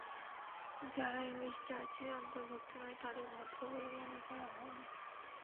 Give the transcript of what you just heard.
যারা ইংলিশ চার্চের অন্তর্ভুক্ত নয়, তাদের ভদ্র বলে মনে করা হয় না।